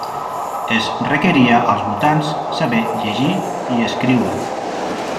Es requeria als votants saber llegir i escriure.